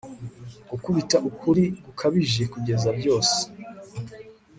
Gukubita ukuri gukabije kugeza byose